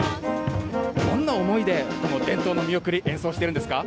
どんな思いで、この伝統の見送り、演奏してるんですか。